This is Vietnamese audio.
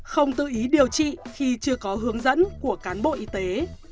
không tự ý điều trị khi chưa có hướng dẫn của cán bộ y tế